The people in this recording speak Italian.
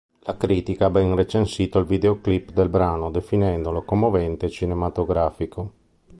La critica ha ben recensito il videoclip del brano, definendolo "commovente" e "cinematografico"